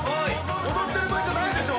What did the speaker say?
踊ってる場合じゃないでしょ。